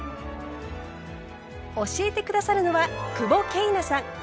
教えて下さるのは久保桂奈さん。